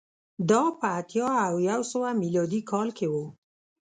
دا په اتیا او یو سوه میلادي کال کې و